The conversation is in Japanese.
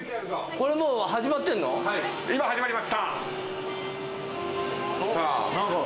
今、始まりました！